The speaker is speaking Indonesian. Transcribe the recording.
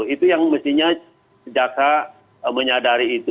itu yang mestinya jaksa menyadari itu